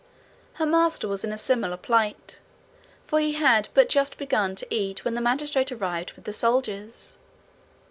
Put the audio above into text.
Her master was in a similar plight, for he had but just begun to eat when the magistrate arrived with the soldiers.